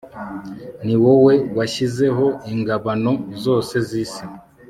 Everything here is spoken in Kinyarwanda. ni wowe washyizeho ingabano zose z isi